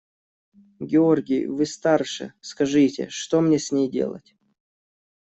– Георгий, вы старше, скажите, что мне с ней делать?